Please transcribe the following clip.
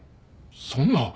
そんな。